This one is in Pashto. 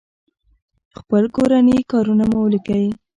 خپل کورني کارونه مو وليکئ!